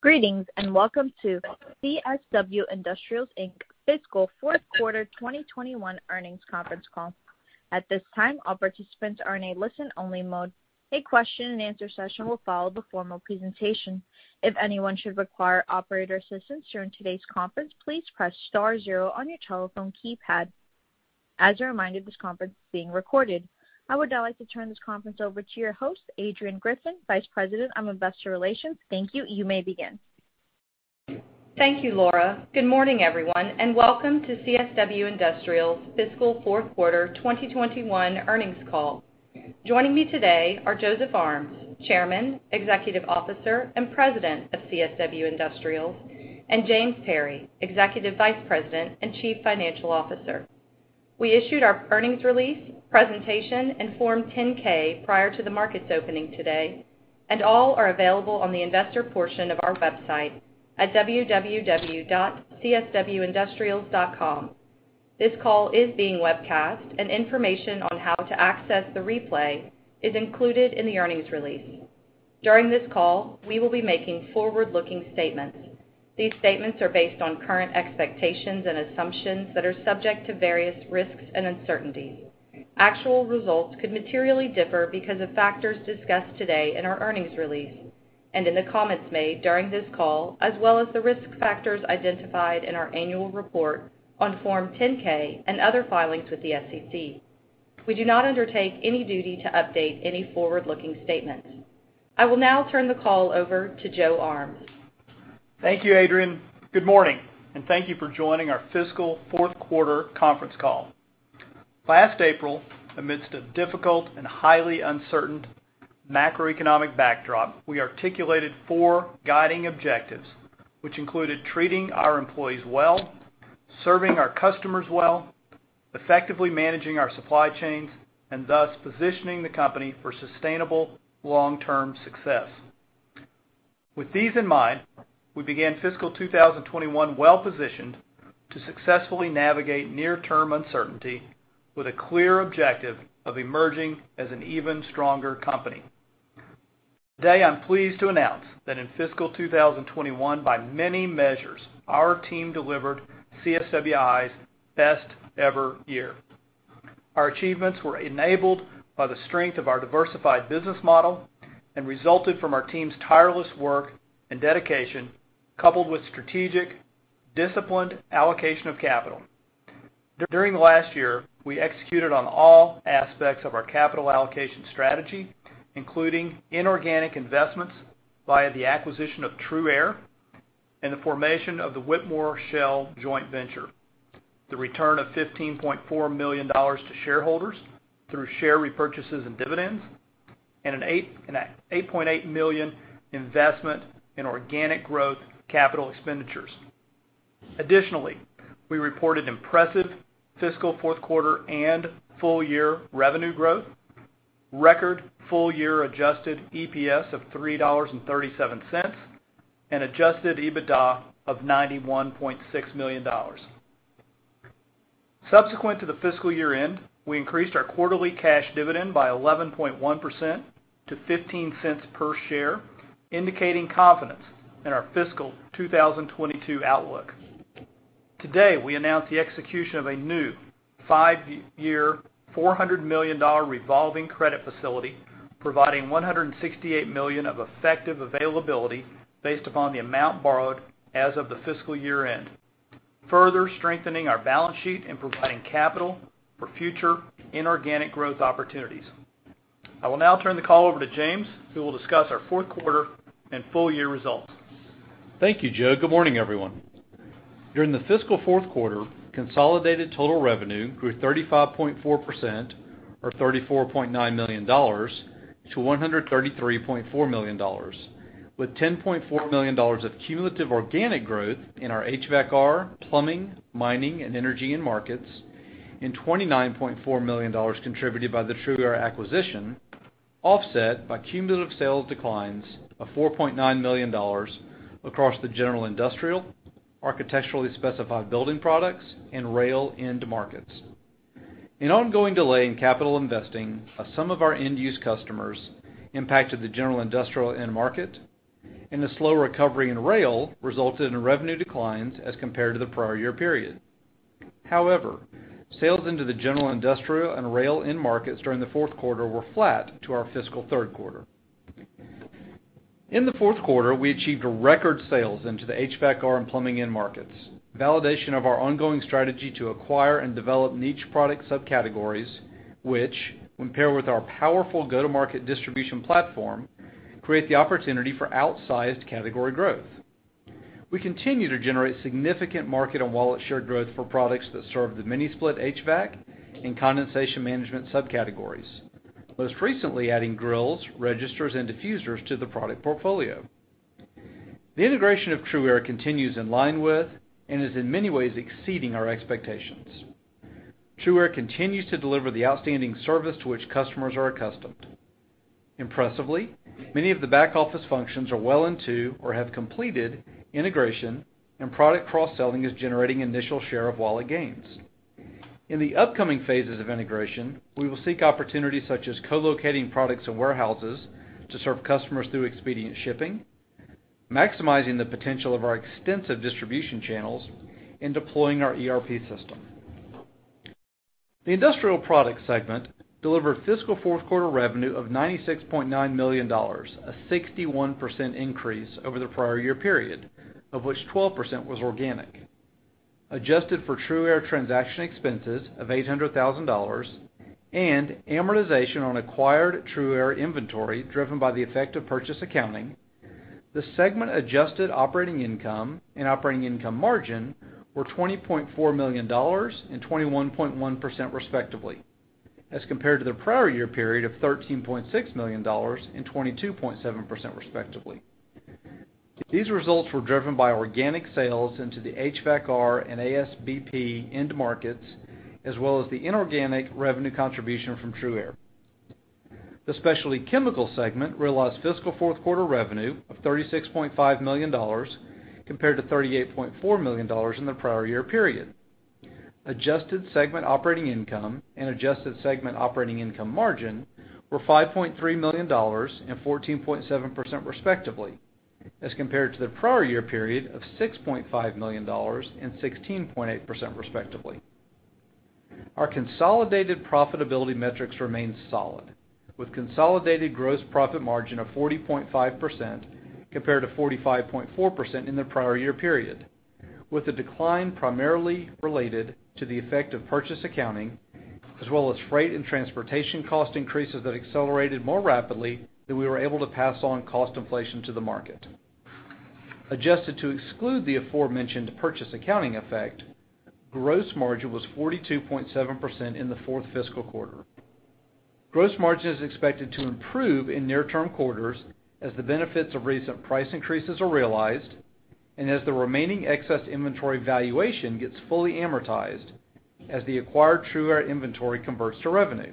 Greetings, welcome to CSW Industrials Inc. fiscal fourth quarter 2021 earnings conference call. At this time, all participants are in a listen-only mode. A question-and-answer session will follow the formal presentation. If anyone should require operator assistance during today's conference, please press star zero on your telephone keypad. As a reminder, this conference is being recorded. I would now like to turn this conference over to your host, Adrianne Griffin, Vice President, Investor Relations. Thank you. You may begin. Thank you, Laura. Good morning, everyone, and welcome to CSW Industrials' Fiscal Fourth Quarter 2021 earnings call. Joining me today are Joseph Armes, Chairman, Chief Executive Officer and President of CSW Industrials, and James Perry, Executive Vice President and Chief Financial Officer. We issued our earnings release, presentation, and Form 10-K prior to the market's opening today, and all are available on the investor portion of our website at www.cswindustrials.com. This call is being webcast, and information on how to access the replay is included in the earnings release. During this call, we will be making forward-looking statements. These statements are based on current expectations and assumptions that are subject to various risks and uncertainties. Actual results could materially differ because of factors discussed today in our earnings release and in the comments made during this call, as well as the risk factors identified in our annual report on Form 10-K and other filings with the SEC. We do not undertake any duty to update any forward-looking statements. I will now turn the call over to Joe Armes. Thank you, Adrianne. Good morning, and thank you for joining our fiscal fourth quarter conference call. Last April, amidst a difficult and highly uncertain macroeconomic backdrop, we articulated four guiding objectives, which included treating our employees well, serving our customers well, effectively managing our supply chains, and thus positioning the company for sustainable long-term success. With these in mind, we began fiscal 2021 well-positioned to successfully navigate near-term uncertainty with a clear objective of emerging as an even stronger company. Today, I'm pleased to announce that in fiscal 2021, by many measures, our team delivered CSWI's best ever year. Our achievements were enabled by the strength of our diversified business model and resulted from our team's tireless work and dedication, coupled with strategic, disciplined allocation of capital. During last year, we executed on all aspects of our capital allocation strategy, including inorganic investments via the acquisition of TRUaire and the formation of the Whitmore Shell joint venture, the return of $15.4 million to shareholders through share repurchases and dividends, and an $8.8 million investment in organic growth capital expenditures. Additionally, we reported impressive fiscal fourth quarter and full-year revenue growth, record full-year adjusted EPS of $3.37, and adjusted EBITDA of $91.6 million. Subsequent to the fiscal year-end, we increased our quarterly cash dividend by 11.1% to $0.15 per share, indicating confidence in our fiscal 2022 outlook. Today, we announced the execution of a new five-year, $400 million revolving credit facility, providing $168 million of effective availability based upon the amount borrowed as of the fiscal year-end, further strengthening our balance sheet and providing capital for future inorganic growth opportunities. I will now turn the call over to James, who will discuss our fourth quarter and full-year results. Thank you, Joe. Good morning, everyone. During the fiscal fourth quarter, consolidated total revenue grew 35.4%, or $34.9 million, to $133.4 million, with $10.4 million of cumulative organic growth in our HVAC/R, plumbing, mining, and energy end markets, and $29.4 million contributed by the TRUaire acquisition, offset by cumulative sales declines of $4.9 million across the general industrial, architecturally specified building products, and rail end markets. An ongoing delay in capital investing of some of our end-use customers impacted the general industrial end market, and a slow recovery in rail resulted in revenue declines as compared to the prior year period. However, sales into the general industrial and rail end markets during the fourth quarter were flat to our fiscal third quarter. In the fourth quarter, we achieved record sales into the HVAC/R and plumbing end markets. Validation of our ongoing strategy to acquire and develop niche product subcategories, which when paired with our powerful go-to-market distribution platform, create the opportunity for outsized category growth. We continue to generate significant market and wallet share growth for products that serve the mini-split HVAC and condensation management subcategories, most recently adding grilles, registers, and diffusers to the product portfolio. The integration of TRUaire continues in line with and is in many ways exceeding our expectations. TRUaire continues to deliver the outstanding service to which customers are accustomed. Impressively, many of the back-office functions are well into or have completed integration, and product cross-selling is generating initial share of wallet gains. In the upcoming phases of integration, we will seek opportunities such as co-locating products and warehouses to serve customers through expedient shipping, maximizing the potential of our extensive distribution channels, and deploying our ERP system. The Industrial Products segment delivered fiscal fourth quarter revenue of $96.9 million, a 61% increase over the prior year period, of which 12% was organic. Adjusted for TRUaire transaction expenses of $800,000 and amortization on acquired TRUaire inventory driven by the effect of purchase accounting, the segment adjusted operating income and operating income margin were $20.4 million and 21.1%, respectively, as compared to the prior year period of $13.6 million and 22.7%, respectively. These results were driven by organic sales into the HVAC/R and ASBP end markets, as well as the inorganic revenue contribution from TRUaire. The Specialty Chemicals segment realized fiscal fourth quarter revenue of $36.5 million, compared to $38.4 million in the prior year period. Adjusted segment operating income and adjusted segment operating income margin were $5.3 million and 14.7%, respectively, as compared to the prior year period of $6.5 million and 16.8%, respectively. Our consolidated profitability metrics remained solid, with consolidated gross profit margin of 40.5% compared to 45.4% in the prior year period, with the decline primarily related to the effect of purchase accounting, as well as freight and transportation cost increases that accelerated more rapidly than we were able to pass on cost inflation to the market. Adjusted to exclude the aforementioned purchase accounting effect, gross margin was 42.7% in the fourth fiscal quarter. Gross margin is expected to improve in near-term quarters as the benefits of recent price increases are realized and as the remaining excess inventory valuation gets fully amortized as the acquired TRUaire inventory converts to revenue.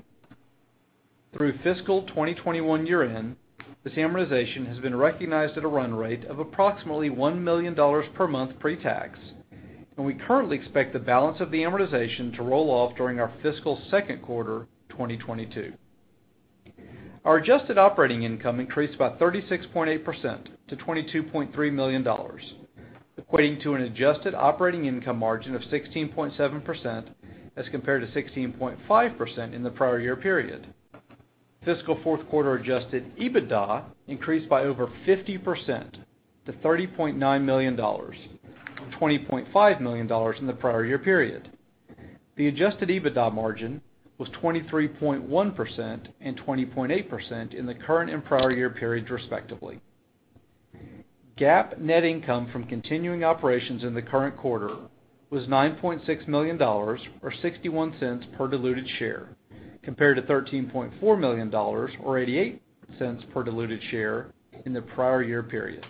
Through fiscal 2021 year-end, this amortization has been recognized at a run rate of approximately $1 million per month pre-tax, and we currently expect the balance of the amortization to roll off during our fiscal second quarter 2022. Our adjusted operating income increased by 36.8% to $22.3 million, equating to an adjusted operating income margin of 16.7% as compared to 16.5% in the prior year period. Fiscal fourth quarter adjusted EBITDA increased by over 50% to $30.9 million, from $20.5 million in the prior year period. The adjusted EBITDA margin was 23.1% and 20.8% in the current and prior year periods, respectively. GAAP net income from continuing operations in the current quarter was $9.6 million or $0.61 per diluted share, compared to $13.4 million or $0.88 per diluted share in the prior year period.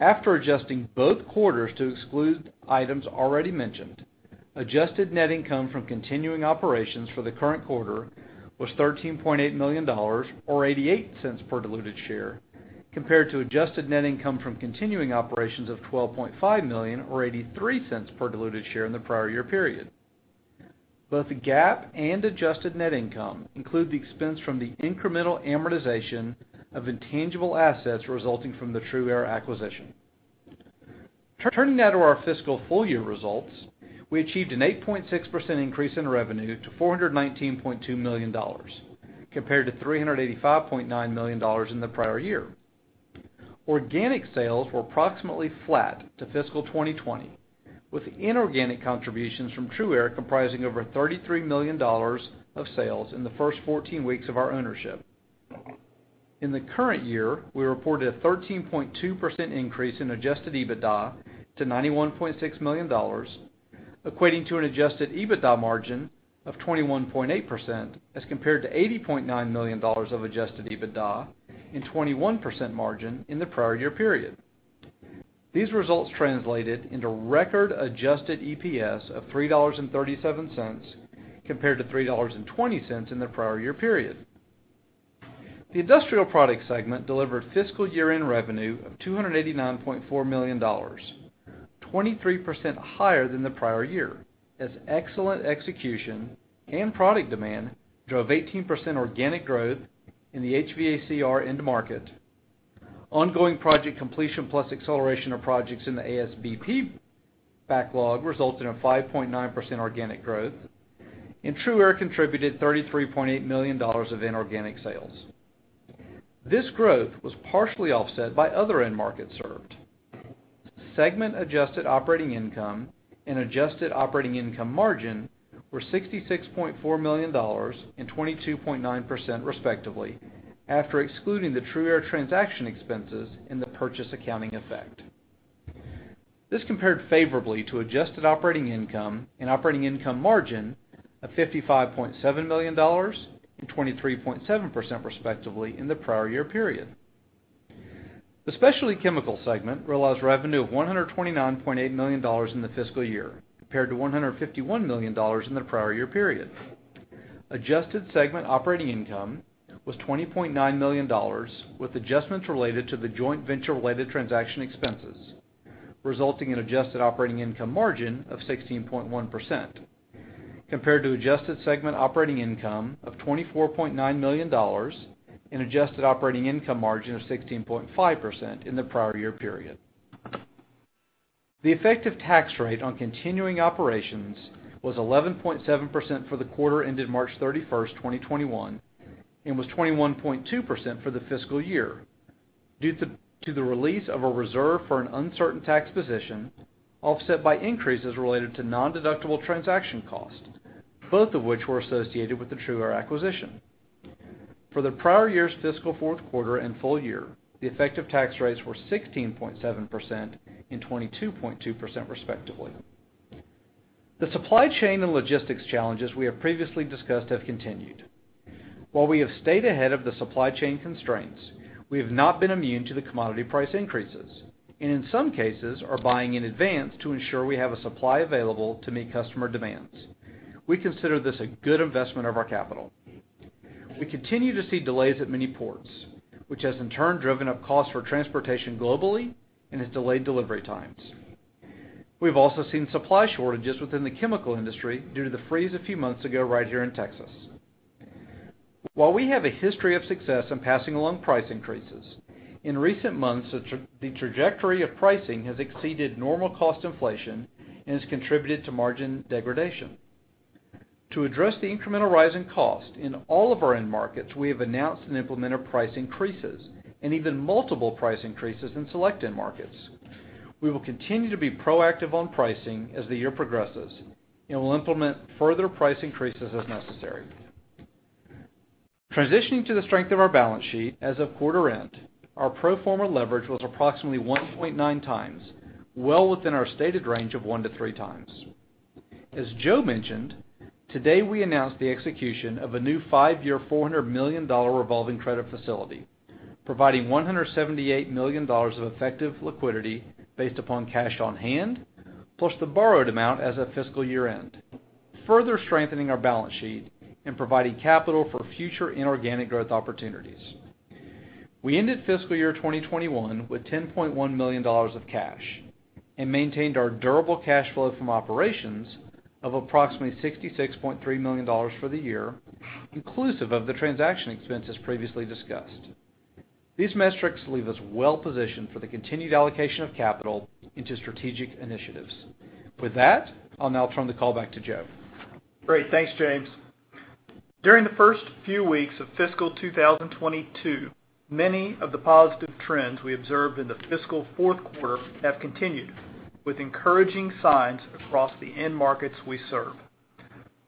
After adjusting both quarters to exclude items already mentioned, adjusted net income from continuing operations for the current quarter was $13.8 million or $0.88 per diluted share, compared to adjusted net income from continuing operations of $12.5 million or $0.83 per diluted share in the prior year period. Both the GAAP and adjusted net income include the expense from the incremental amortization of intangible assets resulting from the TRUaire acquisition. Turning now to our fiscal full-year results, we achieved an 8.6% increase in revenue to $419.2 million, compared to $385.9 million in the prior year. Organic sales were approximately flat to fiscal 2020, with inorganic contributions from TRUaire comprising over $33 million of sales in the first 14 weeks of our ownership. In the current year, we reported a 13.2% increase in adjusted EBITDA to $91.6 million, equating to an adjusted EBITDA margin of 21.8% as compared to $80.9 million of adjusted EBITDA and 21% margin in the prior year period. These results translated into record adjusted EPS of $3.37 compared to $3.20 in the prior year period. The Industrial Products segment delivered fiscal year-end revenue of $289.4 million, 23% higher than the prior year, as excellent execution and product demand drove 18% organic growth in the HVAC/R end market. Ongoing project completion plus acceleration of projects in the ASBP backlog resulted in 5.9% organic growth, and TRUaire contributed $33.8 million of inorganic sales. This growth was partially offset by other end markets served. Segment adjusted operating income and adjusted operating income margin were $66.4 million and 22.9%, respectively, after excluding the TRUaire transaction expenses and the purchase accounting effect. This compared favorably to adjusted operating income and operating income margin of $55.7 million and 23.7%, respectively, in the prior year period. The Specialty Chemicals segment realized revenue of $129.8 million in the fiscal year, compared to $151 million in the prior year period. Adjusted segment operating income was $20.9 million with adjustments related to the joint venture-related transaction expenses, resulting in adjusted operating income margin of 16.1%, compared to adjusted segment operating income of $24.9 million and adjusted operating income margin of 16.5% in the prior year period. The effective tax rate on continuing operations was 11.7% for the quarter ended March 31st, 2021, and was 21.2% for the fiscal year, due to the release of a reserve for an uncertain tax position, offset by increases related to non-deductible transaction costs, both of which were associated with the TRUaire acquisition. For the prior year's fiscal fourth quarter and full-year, the effective tax rates were 16.7% and 22.2%, respectively. The supply chain and logistics challenges we have previously discussed have continued. While we have stayed ahead of the supply chain constraints, we have not been immune to the commodity price increases, and in some cases are buying in advance to ensure we have a supply available to meet customer demands. We consider this a good investment of our capital. We continue to see delays at many ports, which has in turn driven up costs for transportation globally and has delayed delivery times. We've also seen supply shortages within the chemical industry due to the freeze a few months ago right here in Texas. While we have a history of success in passing along price increases, in recent months, the trajectory of pricing has exceeded normal cost inflation and has contributed to margin degradation. To address the incremental rise in cost in all of our end markets, we have announced and implemented price increases, and even multiple price increases in select end markets. We will continue to be proactive on pricing as the year progresses, and will implement further price increases as necessary. Transitioning to the strength of our balance sheet as of quarter end, our pro forma leverage was approximately 1.9x, well within our stated range of 1x-3x. As Joe mentioned, today we announced the execution of a new five-year, $400 million revolving credit facility, providing $178 million of effective liquidity based upon cash on hand, plus the borrowed amount as of fiscal year-end, further strengthening our balance sheet and providing capital for future inorganic growth opportunities. We ended fiscal year 2021 with $10.1 million of cash and maintained our durable cash flow from operations of approximately $66.3 million for the year, inclusive of the transaction expenses previously discussed. These metrics leave us well-positioned for the continued allocation of capital into strategic initiatives. With that, I'll now turn the call back to Joe. Great. Thanks, James. During the first few weeks of fiscal 2022, many of the positive trends we observed in the fiscal fourth quarter have continued, with encouraging signs across the end markets we serve.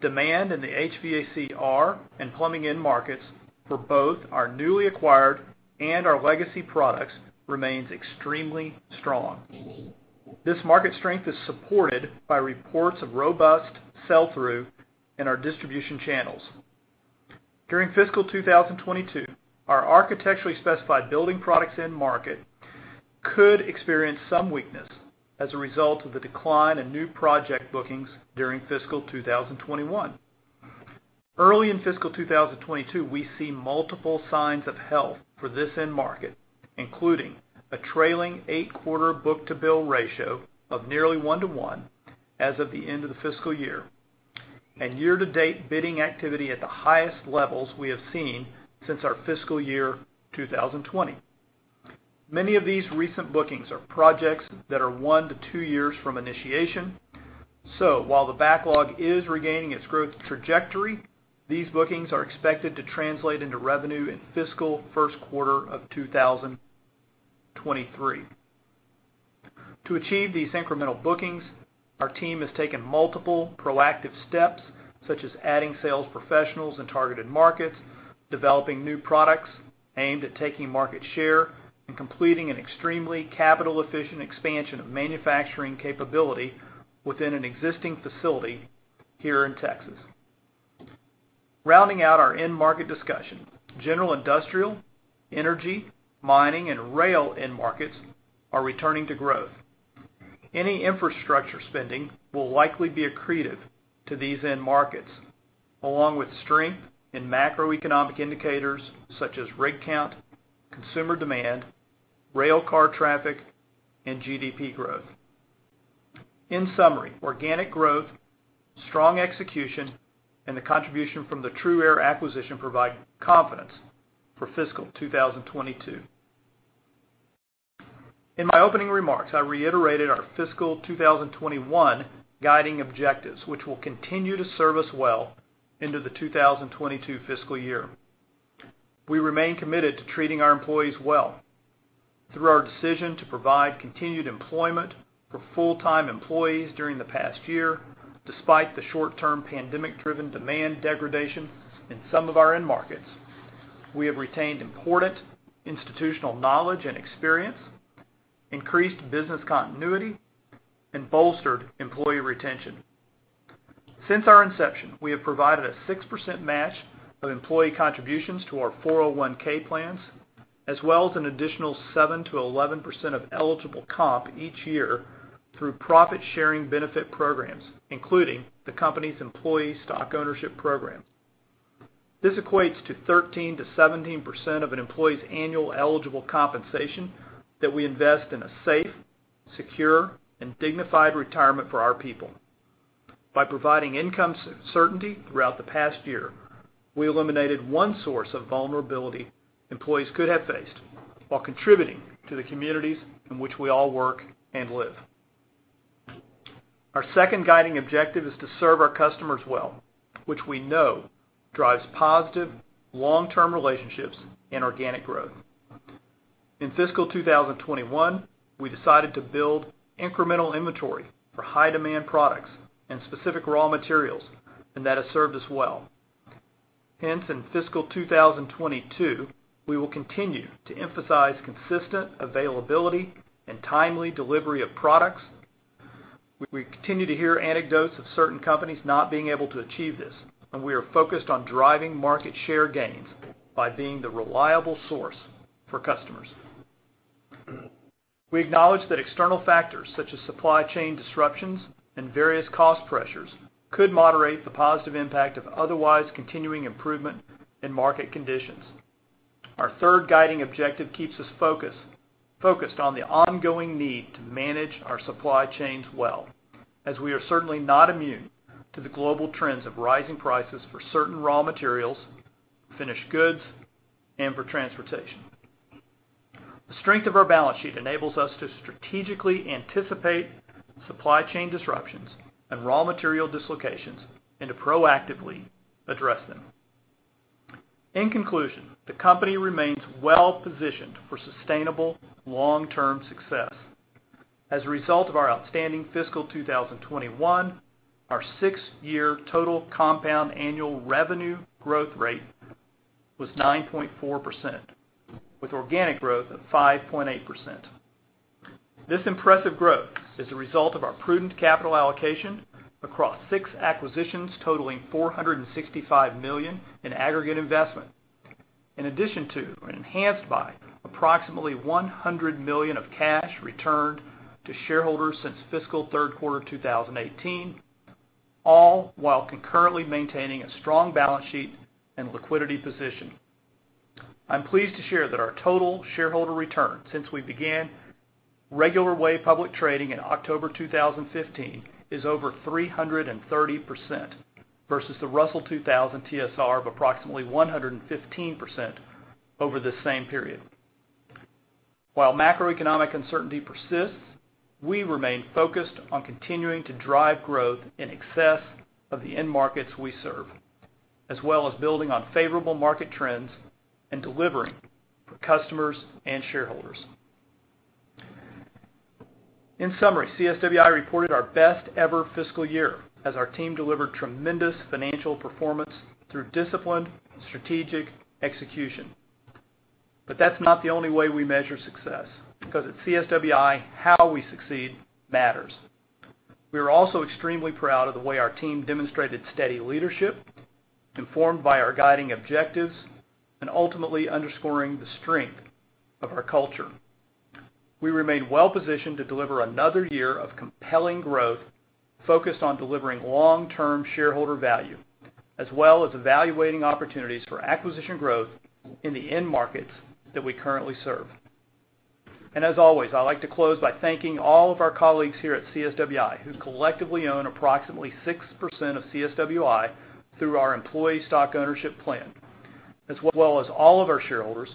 Demand in the HVAC/R and plumbing end markets for both our newly acquired and our legacy products remains extremely strong. This market strength is supported by reports of robust sell-through in our distribution channels. During fiscal 2022, our architecturally specified building products end market could experience some weakness as a result of the decline in new project bookings during fiscal 2021. Early in fiscal 2022, we see multiple signs of health for this end market, including a trailing eight-quarter book-to-bill ratio of nearly one to one as of the end of the fiscal year, and year-to-date bidding activity at the highest levels we have seen since our fiscal year 2020. Many of these recent bookings are projects that are one to two years from initiation, while the backlog is regaining its growth trajectory, these bookings are expected to translate into revenue in fiscal first quarter of 2023. To achieve these incremental bookings, our team has taken multiple proactive steps, such as adding sales professionals in targeted markets, developing new products aimed at taking market share, and completing an extremely capital-efficient expansion of manufacturing capability within an existing facility here in Texas. Rounding out our end market discussion, general industrial, energy, mining, and rail end markets are returning to growth. Any infrastructure spending will likely be accretive to these end markets, along with strength in macroeconomic indicators such as rig count, consumer demand, rail car traffic, and GDP growth. In summary, organic growth, strong execution, and the contribution from the TRUaire acquisition provide confidence for fiscal 2022. In my opening remarks, I reiterated our fiscal 2021 guiding objectives, which will continue to serve us well into the 2022 fiscal year. We remain committed to treating our employees well. Through our decision to provide continued employment for full-time employees during the past year, despite the short-term pandemic-driven demand degradation in some of our end markets, we have retained important institutional knowledge and experience, increased business continuity, and bolstered employee retention. Since our inception, we have provided a 6% match of employee contributions to our 401(k) plans, as well as an additional 7%-11% of eligible comp each year through profit-sharing benefit programs, including the company's employee stock ownership program. This equates to 13%-17% of an employee's annual eligible compensation that we invest in a safe, secure, and dignified retirement for our people. By providing income certainty throughout the past year, we eliminated one source of vulnerability employees could have faced while contributing to the communities in which we all work and live. Our second guiding objective is to serve our customers well, which we know drives positive long-term relationships and organic growth. In fiscal 2021, we decided to build incremental inventory for high-demand products and specific raw materials, and that has served us well. Hence, in fiscal 2022, we will continue to emphasize consistent availability and timely delivery of products. We continue to hear anecdotes of certain companies not being able to achieve this, and we are focused on driving market share gains by being the reliable source for customers. We acknowledge that external factors such as supply chain disruptions and various cost pressures could moderate the positive impact of otherwise continuing improvement in market conditions. Our third guiding objective keeps us focused on the ongoing need to manage our supply chains well, as we are certainly not immune to the global trends of rising prices for certain raw materials, finished goods, and for transportation. The strength of our balance sheet enables us to strategically anticipate supply chain disruptions and raw material dislocations and to proactively address them. In conclusion, the company remains well-positioned for sustainable long-term success. As a result of our outstanding fiscal 2021, our six-year total compound annual revenue growth rate was 9.4%, with organic growth of 5.8%. This impressive growth is a result of our prudent capital allocation across six acquisitions totaling $465 million in aggregate investment. In addition to, and enhanced by, approximately $100 million of cash returned to shareholders since fiscal third quarter 2018, all while concurrently maintaining a strong balance sheet and liquidity position. I'm pleased to share that our total shareholder return since we began regular-way public trading in October 2015 is over 330% versus the Russell 2000 TSR of approximately 115% over the same period. While macroeconomic uncertainty persists, we remain focused on continuing to drive growth in excess of the end markets we serve, as well as building on favorable market trends and delivering for customers and shareholders. In summary, CSWI reported our best ever fiscal year as our team delivered tremendous financial performance through disciplined strategic execution. That's not the only way we measure success. Because at CSWI, how we succeed matters. We are also extremely proud of the way our team demonstrated steady leadership, informed by our guiding objectives, and ultimately underscoring the strength of our culture. We remain well-positioned to deliver another year of compelling growth focused on delivering long-term shareholder value, as well as evaluating opportunities for acquisition growth in the end markets that we currently serve. As always, I'd like to close by thanking all of our colleagues here at CSWI, who collectively own approximately 6% of CSWI through our employee stock ownership plan, as well as all of our shareholders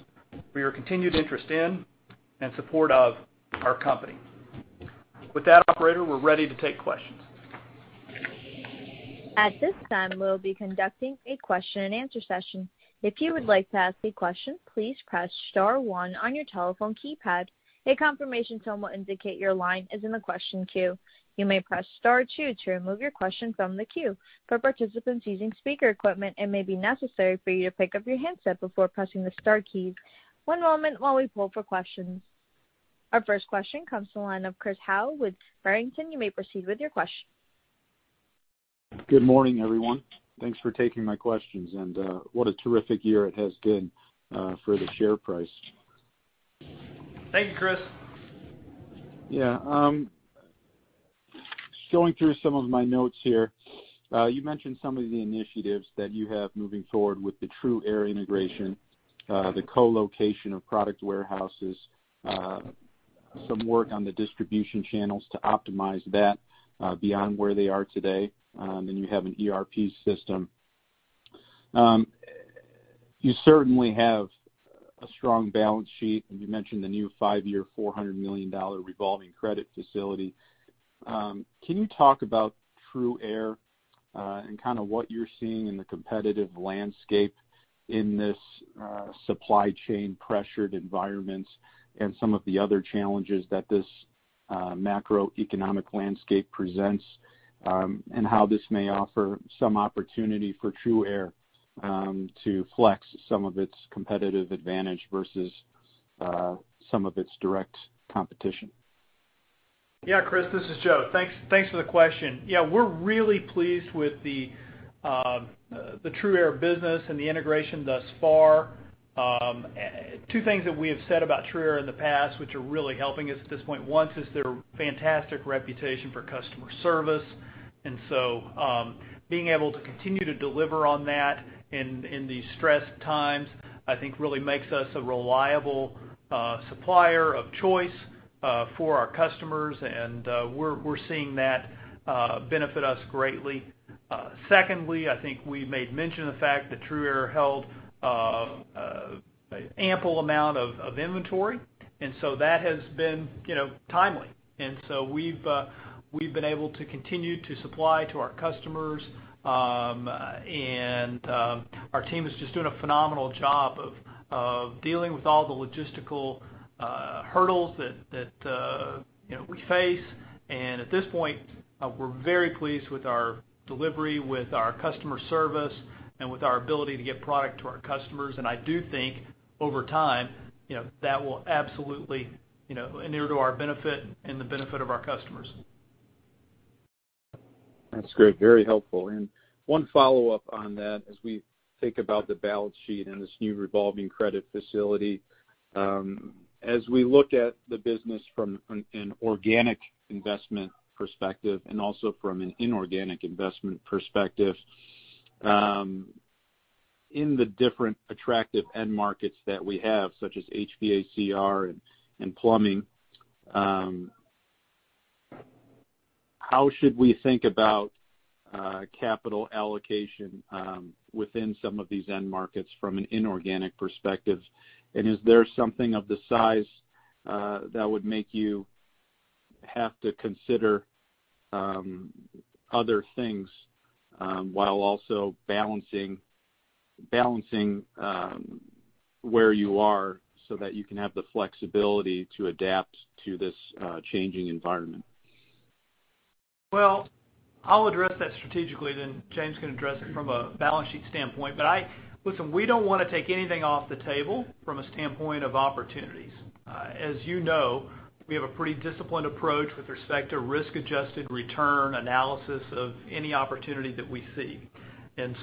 for your continued interest in and support of our company. With that, operator, we're ready to take questions. At this time, we'll be conducting a question-and-answer session. If you would like to ask a question, please press star one on your telephone keypad. A confirmation tone will indicate your line is in the question queue. You may press star two to remove your question from the queue. For participants using speaker equipment, it may be necessary for you to pick up your handset before pressing the star keys. One moment while we pull for questions. Our first question comes from the line of Chris Howe with Barrington Research. You may proceed with your question. Good morning, everyone. Thanks for taking my questions. What a terrific year it has been for the share price. Thank you, Chris. Yeah, just going through some of my notes here. You mentioned some of the initiatives that you have moving forward with the TRUaire integration, the co-location of product warehouses, some work on the distribution channels to optimize that beyond where they are today, and you have an ERP system. You certainly have a strong balance sheet, and you mentioned the new five-year $400 million revolving credit facility. Can you talk about TRUaire and kind of what you're seeing in the competitive landscape in this supply chain pressured environments and some of the other challenges that this macroeconomic landscape presents, and how this may offer some opportunity for TRUaire to flex some of its competitive advantage versus some of its direct competition? Yeah, Chris, this is Joe. Thanks for the question. Yeah, we're really pleased with the TRUaire business and the integration thus far. Two things that we have said about TRUaire in the past, which are really helping us at this point. One is their fantastic reputation for customer service, and so being able to continue to deliver on that in these stressed times, I think really makes us a reliable supplier of choice for our customers, and we're seeing that benefit us greatly. Secondly, I think we made mention the fact that TRUaire held ample amount of inventory, and so that has been timely. We've been able to continue to supply to our customers. Our team is just doing a phenomenal job of dealing with all the logistical hurdles that we face. At this point, we're very pleased with our delivery, with our customer service, and with our ability to get product to our customers. I do think over time, that will absolutely inure to our benefit and the benefit of our customers. That's great, very helpful. One follow-up on that as we think about the balance sheet and this new revolving credit facility. As we look at the business from an organic investment perspective and also from an inorganic investment perspective, in the different attractive end markets that we have, such as HVAC/R and plumbing, how should we think about capital allocation within some of these end markets from an inorganic perspective? Is there something of the size that would make you have to consider other things, while also balancing where you are so that you can have the flexibility to adapt to this changing environment? I'll address that strategically, then James can address it from a balance sheet standpoint. Listen, we don't want to take anything off the table from a standpoint of opportunities. As you know, we have a pretty disciplined approach with respect to risk-adjusted return analysis of any opportunity that we see.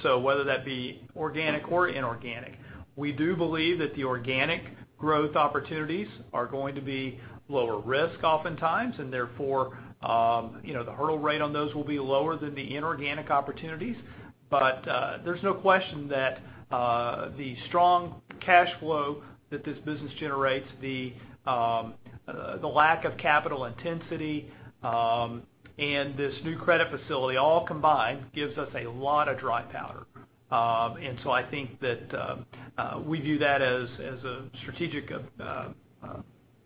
Whether that be organic or inorganic, we do believe that the organic growth opportunities are going to be lower risk oftentimes, and therefore, the hurdle rate on those will be lower than the inorganic opportunities. There's no question that the strong cash flow that this business generates, the lack of capital intensity, and this new credit facility all combined gives us a lot of dry powder. I think that we view that as a strategic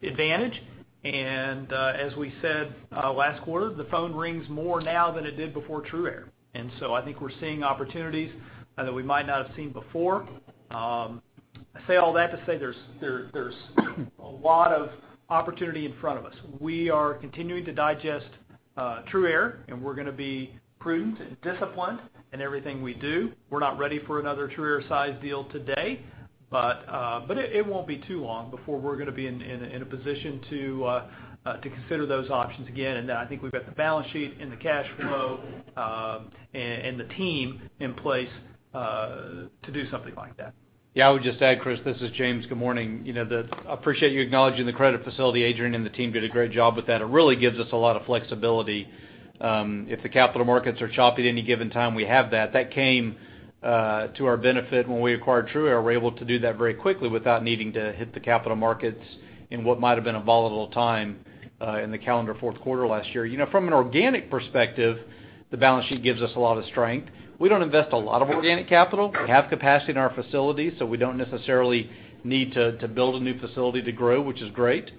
advantage. As we said last quarter, the phone rings more now than it did before TRUaire. I think we're seeing opportunities that we might not have seen before. I say all that to say there's a lot of opportunity in front of us. We are continuing to digest TRUaire. We're going to be prudent and disciplined in everything we do. We're not ready for another TRUaire size deal today. It won't be too long before we're going to be in a position to consider those options again. I think we've got the balance sheet and the cash flow and the team in place to do something like that. Yeah, I would just add, Chris, this is James. Good morning. I appreciate you acknowledging the credit facility. Adrianne and the team did a great job with that. It really gives us a lot of flexibility. If the capital markets are choppy at any given time, we have that. That came to our benefit when we acquired TRUaire. We were able to do that very quickly without needing to hit the capital markets in what might've been a volatile time in the calendar fourth quarter last year. From an organic perspective, the balance sheet gives us a lot of strength. We don't invest a lot of organic capital. We have capacity in our facility, so we don't necessarily need to build a new facility to grow, which is great.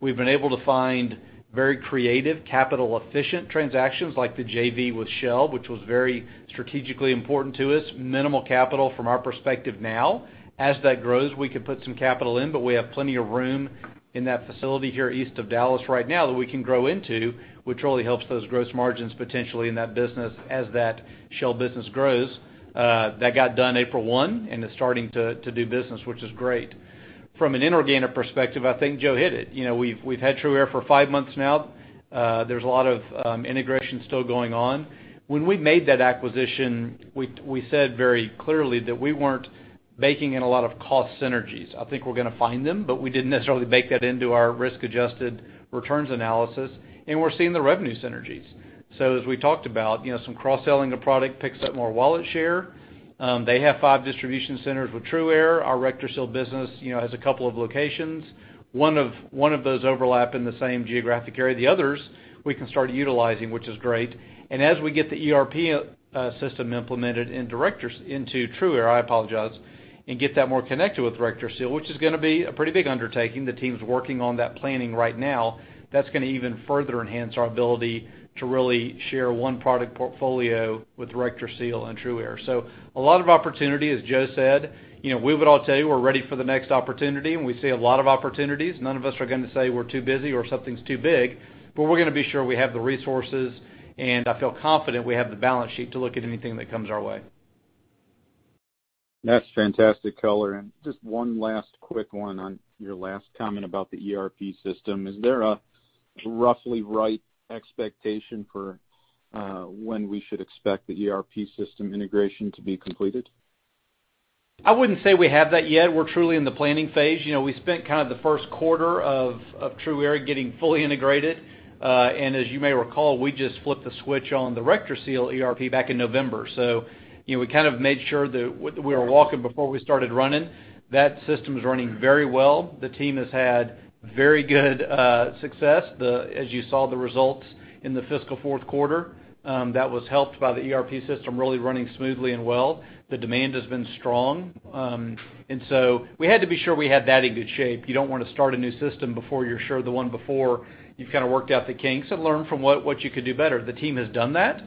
We've been able to find very creative capital efficient transactions like the JV with Shell, which was very strategically important to us. Minimal capital from our perspective now. As that grows, we can put some capital in, but we have plenty of room in that facility here east of Dallas right now that we can grow into, which really helps those gross margins potentially in that business as that Shell business grows. That got done April 1, and it's starting to do business, which is great. From an inorganic perspective, I think Joe hit it. We've had TRUaire for five months now. There's a lot of integration still going on. When we made that acquisition, we said very clearly that we weren't baking in a lot of cost synergies. I think we're going to find them, but we didn't necessarily bake that into our risk-adjusted returns analysis, and we're seeing the revenue synergies. As we talked about, some cross-selling of product picks up more wallet share. They have five distribution centers with TRUaire. Our RectorSeal business has a couple of locations, one of those overlap in the same geographic area. The others we can start utilizing, which is great. As we get the ERP system implemented into TRUaire, and get that more connected with RectorSeal, which is going to be a pretty big undertaking. The team's working on that planning right now. That's going to even further enhance our ability to really share one product portfolio with RectorSeal and TRUaire. A lot of opportunity, as Joe said. We would all tell you we're ready for the next opportunity, and we see a lot of opportunities. None of us are going to say we're too busy or something's too big, but we're going to be sure we have the resources, and I feel confident we have the balance sheet to look at anything that comes our way. That's fantastic color. Just one last quick one on your last comment about the ERP system. Is there a roughly right expectation for when we should expect the ERP system integration to be completed? I wouldn't say we have that yet. We're truly in the planning phase. We spent the first quarter of TRUaire getting fully integrated. As you may recall, we just flipped the switch on the RectorSeal ERP back in November. We made sure that we were walking before we started running. That system's running very well. The team has had very good success. As you saw the results in the fiscal fourth quarter, that was helped by the ERP system really running smoothly and well. The demand has been strong. We had to be sure we had that in good shape. You don't want to start a new system before you're sure the one before you've worked out the kinks and learned from what you could do better, the team has done that.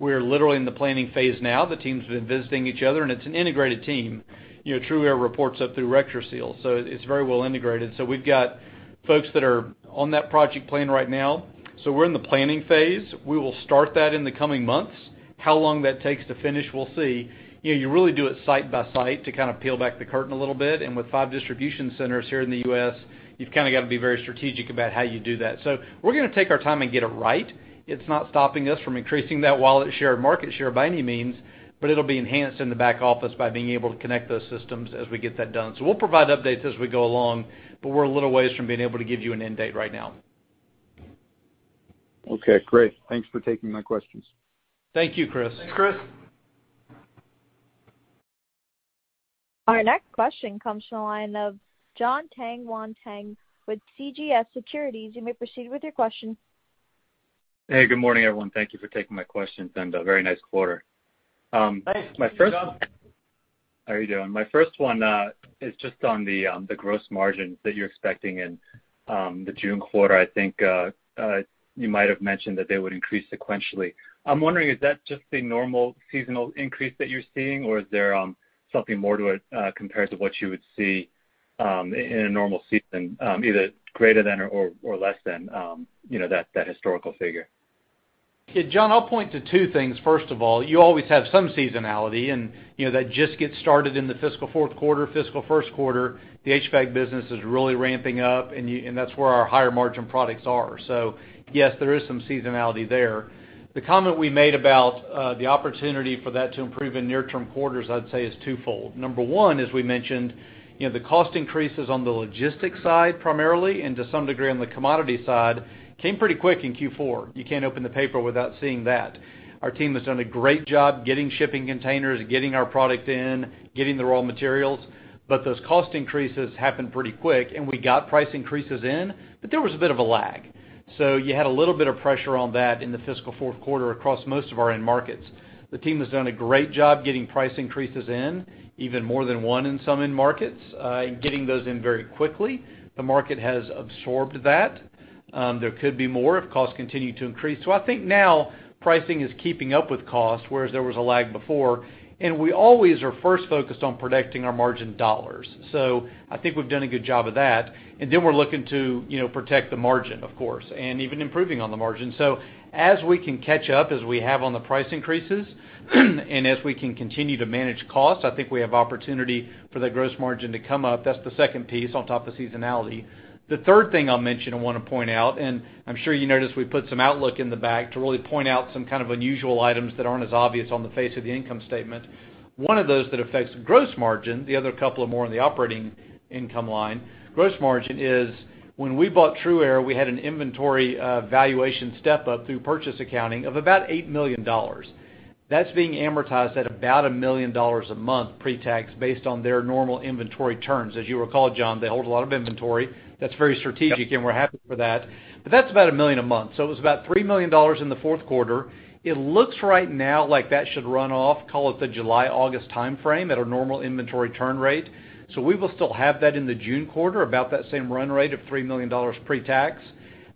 We are literally in the planning phase now. The teams have been visiting each other, and it's an integrated team. TRUaire reports up through RectorSeal, so it's very well integrated. We've got folks that are on that project plan right now. We're in the planning phase, we will start that in the coming months. How long that takes to finish, we'll see. You really do it site by site to peel back the curtain a little bit. With five distribution centers here in the U.S., you've got to be very strategic about how you do that. We're going to take our time and get it right. It's not stopping us from increasing that wallet share and market share by any means, but it'll be enhanced in the back office by being able to connect those systems as we get that done. We'll provide updates as we go along, but we're a little ways from being able to give you an end date right now. Okay, great. Thanks for taking my questions. Thank you, Chris. Thanks, Chris. Our next question comes from the line of Jon Tanwanteng with CJS Securities. You may proceed with your question. Hey, good morning, everyone. Thank you for taking my questions and a very nice quarter. Thanks, Jon. How are you doing? My first one is just on the gross margins that you're expecting in the June quarter. I think you might have mentioned that they would increase sequentially. I'm wondering, is that just the normal seasonal increase that you're seeing, or is there something more to it compared to what you would see in a normal season, either greater than or less than that historical figure? Jon, I'll point to two things. You always have some seasonality, and that just gets started in the fiscal fourth quarter, fiscal first quarter. The HVAC business is really ramping up, and that's where our higher margin products are. Yes, there is some seasonality there. The comment we made about the opportunity for that to improve in near term quarters, I'd say, is twofold. Number one, as we mentioned, the cost increases on the logistics side primarily and to some degree on the commodity side came pretty quick in Q4. You can't open the paper without seeing that. Our team has done a great job getting shipping containers, getting our product in, getting the raw materials, but those cost increases happened pretty quick, and we got price increases in, but there was a bit of a lag. You had a little bit of pressure on that in the fiscal fourth quarter across most of our end markets. The team has done a great job getting price increases in, even more than one in some end markets, and getting those in very quickly. The market has absorbed that. There could be more if costs continue to increase. I think now pricing is keeping up with cost, whereas there was a lag before, and we always are first focused on protecting our margin dollars. I think we've done a good job of that. We're looking to protect the margin, of course, and even improving on the margin. As we can catch up as we have on the price increases and as we can continue to manage costs, I think we have opportunity for the gross margin to come up. That's the second piece on top of seasonality. The third thing I'll mention, I want to point out, and I'm sure you noticed we put some outlook in the back to really point out some kind of unusual items that aren't as obvious on the face of the income statement. One of those that affects gross margin, the other couple are more on the operating income line. Gross margin is when we bought TRUaire, we had an inventory valuation step up through purchase accounting of about $8 million. That's being amortized at about $1 million a month pre-tax based on their normal inventory terms. As you recall, Jon, they hold a lot of inventory. That's very strategic, and we're happy for that. But that's about $1 million a month. So it was about $3 million in the fourth quarter. It looks right now like that should run off, call it the July, August timeframe at a normal inventory turn rate. We will still have that in the June quarter, about that same run rate of $3 million pre-tax.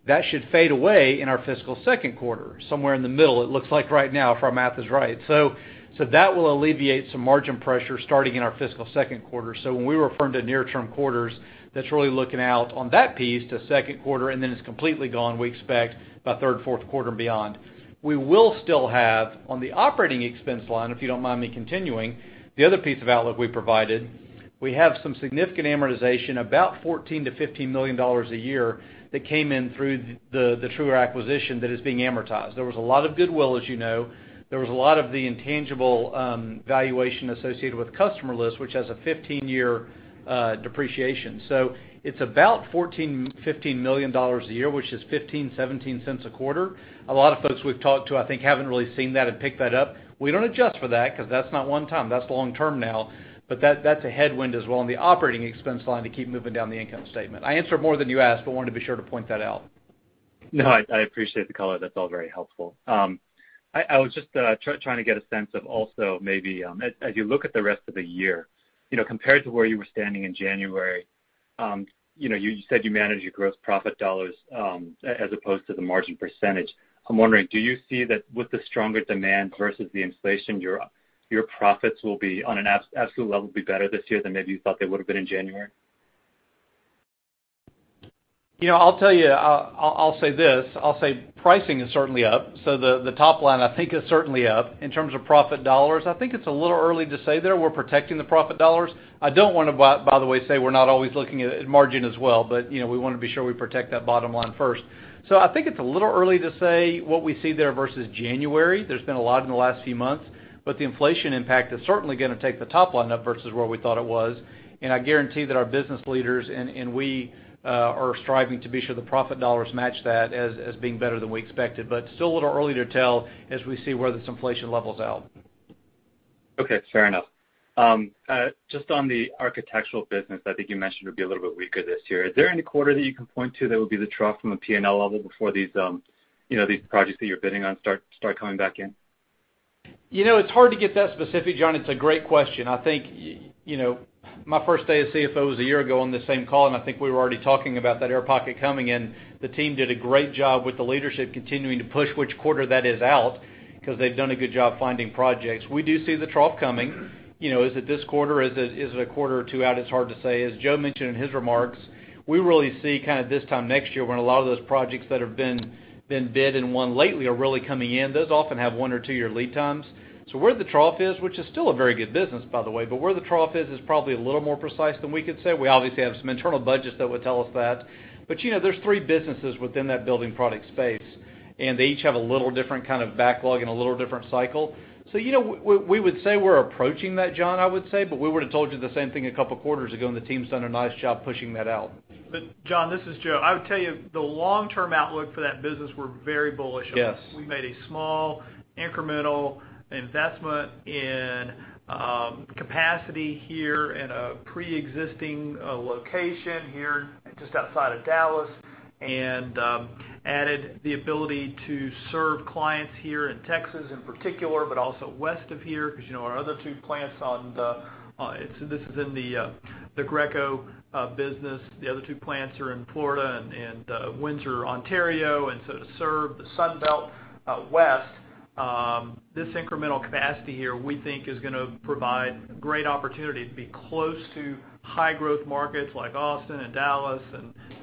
That should fade away in our fiscal second quarter, somewhere in the middle it looks like right now if our math is right. That will alleviate some margin pressure starting in our fiscal second quarter. When we refer to near term quarters, that's really looking out on that piece, the second quarter, and then it's completely gone, we expect by third, fourth quarter and beyond. We will still have on the operating expense line, if you don't mind me continuing, the other piece of outlook we provided. We have some significant amortization, about $14 million-$15 million a year that came in through the TRUaire acquisition that is being amortized. There was a lot of goodwill, as you know. There was a lot of the intangible valuation associated with customer lists, which has a 15-year depreciation. It's about $14 million, $15 million a year, which is $0.15, $0.17 a quarter. A lot of folks we've talked to, I think, haven't really seen that and picked that up. We don't adjust for that because that's not one time, that's long term now. That's a headwind as well on the operating expense line to keep moving down the income statement. I answered more than you asked, but I wanted to be sure to point that out. I appreciate the color. That's all very helpful. I was just trying to get a sense of also maybe as you look at the rest of the year, compared to where you were standing in January, you said you managed your gross profit dollars as opposed to the margin percentage. I'm wondering, do you see that with the stronger demand versus the inflation, your profits will be on an absolute level be better this year than maybe you thought they would have been in January? I'll tell you, I'll say this, I'll say pricing is certainly up. The top line I think is certainly up. In terms of profit dollars, I think it's a little early to say there. We're protecting the profit dollars. I don't want to, by the way, say we're not always looking at margin as well, but we want to be sure we protect that bottom line first. I think it's a little early to say what we see there versus January. There's been a lot in the last few months, but the inflation impact is certainly going to take the top line up versus where we thought it was. I guarantee that our business leaders and we are striving to be sure the profit dollars match that as being better than we expected. Still a little early to tell as we see where this inflation levels out. Okay, fair enough. Just on the architectural business, I think you mentioned it'd be a little bit weaker this year. Is there any quarter that you can point to that would be the trough from a P&L level before these projects that you're bidding on start coming back in? It's hard to get that specific, Jon. It's a great question. I think, my first day of CFO was a year ago on the same call, and I think we were already talking about that air pocket coming in. The team did a great job with the leadership continuing to push which quarter that is out, because they've done a good job finding projects. We do see the trough coming. Is it this quarter? Is it a quarter or two out? It's hard to say. As Joe mentioned in his remarks, we really see this time next year when a lot of those projects that have been bid and won lately are really coming in. Those often have one or two year lead times. Where the trough is, which is still a very good business, by the way, but where the trough is probably a little more precise than we could say. We obviously have some internal budgets that would tell us that. There's three businesses within that building product space, and they each have a little different kind of backlog and a little different cycle. Yeah, we would say we're approaching that, Jon, I would say, but we would've told you the same thing a couple of quarters ago, and the team's done a nice job pushing that out. Jon, this is Joe. I would tell you the long term outlook for that business, we're very bullish on. We made a small incremental investment in capacity here in a preexisting location here just outside of Dallas and added the ability to serve clients here in Texas in particular, but also west of here. Because our other two plants. This is in the Greco business. The other two plants are in Florida and Windsor, Ontario. To serve the Sun Belt West, this incremental capacity here, we think is going to provide great opportunity to be close to high growth markets like Austin and Dallas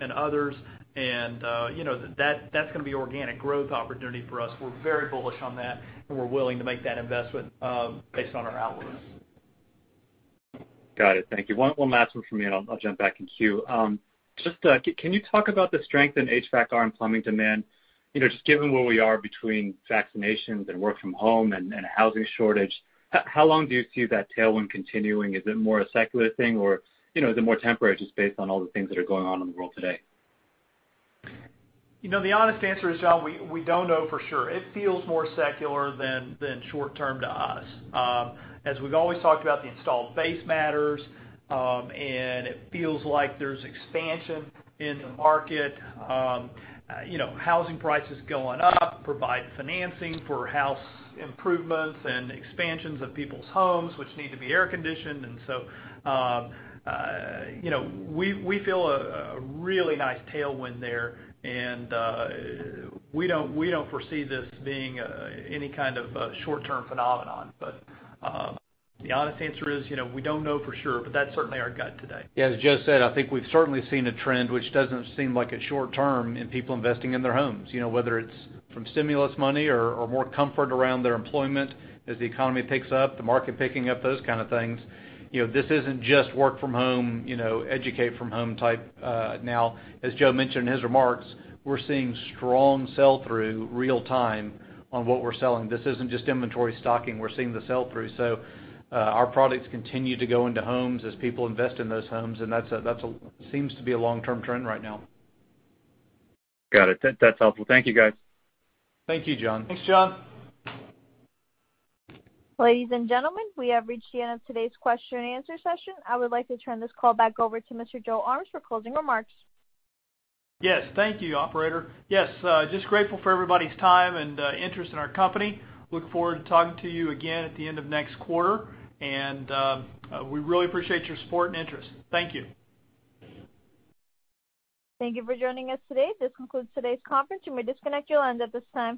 and others. That's going to be organic growth opportunity for us. We're very bullish on that, and we're willing to make that investment based on our outlook. Got it, thank you. One last one from me, and I'll jump back in queue. Just, can you talk about the strength in HVAC/R and plumbing demand? Just given where we are between vaccinations and work from home and housing shortage, how long do you see that tailwind continuing? Is it more a secular thing or is it more temporary just based on all the things that are going on in the world today? The honest answer is, Jon, we don't know for sure. It feels more secular than short term to us. As we've always talked about, the installed base matters, and it feels like there's expansion in the market. Housing prices going up provide financing for house improvements and expansions of people's homes which need to be air conditioned. We feel a really nice tailwind there, and we don't foresee this being any kind of a short term phenomenon. The honest answer is, we don't know for sure, but that's certainly our gut today. As Joe said, I think we've certainly seen a trend which doesn't seem like it's short term in people investing in their homes. Whether it's from stimulus money or more comfort around their employment as the economy picks up, the market picking up, those kind of things. This isn't just work from home, educate from home type. As Joe mentioned in his remarks, we're seeing strong sell-through real time on what we're selling. This isn't just inventory stocking. We're seeing the sell-through. Our products continue to go into homes as people invest in those homes, and that seems to be a long term trend right now. Got it, that's helpful. Thank you, guys. Thank you, Jon. Thanks, Jon. Ladies and gentlemen, we have reached the end of today's question-and-answer session. I would like to turn this call back over to Mr. Joe Armes for closing remarks. Yes, thank you, operator. Yes, just grateful for everybody's time and interest in our company. Look forward to talking to you again at the end of next quarter. We really appreciate your support and interest. Thank you. Thank you for joining us today. This concludes today's conference. You may disconnect your line at this time.